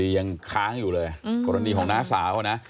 ยังค้างอยู่เลยกรณีของน้าสาวนะ